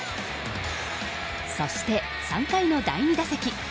そして３回の第２打席。